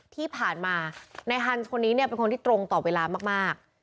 ที่ผ่านมาในฮันต์คนนี้เป็นคนที่ตรงต่อเวลามาก